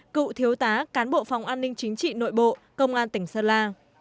cựu thiếu tá cán bộ phòng an ninh chính trị nội bộ công an tỉnh sơn la